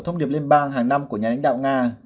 thông điệp liên bang hàng năm của nhà lãnh đạo nga